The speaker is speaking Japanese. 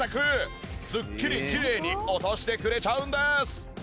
すっきりきれいに落としてくれちゃうんです！